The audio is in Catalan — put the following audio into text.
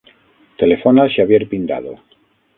Telefona al Xavier Pindado.